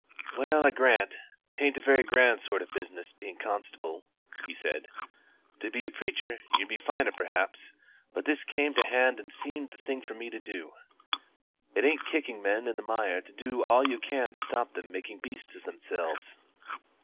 "Well, I grant 'tain't a very grand sort of business being constable," he said; "to be a preacher 'ud be finer perhaps; but this came to hand and seemed the thing for me to do. It ain't kicking men in the mire to do all you can to stop them making beasts of themselves."